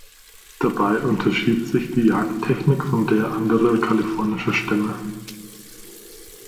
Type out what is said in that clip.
Dabei unterschied sich die Jagdtechnik von der anderer kalifornischer Stämme.